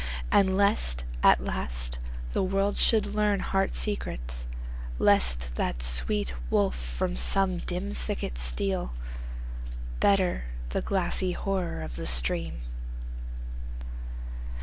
And lest, at last, the world should learn heart secrets; Lest that sweet wolf from some dim thicket steal; Better the glassy horror of the stream.